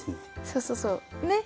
そうそうそう。ね。